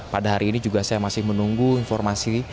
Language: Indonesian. pada hari ini juga saya masih menunggu informasi